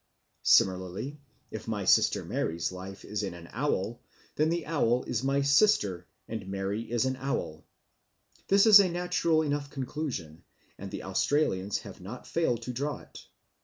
Similarly, if my sister Mary's life is in an owl, then the owl is my sister and Mary is an owl. This is a natural enough conclusion, and the Australians have not failed to draw it.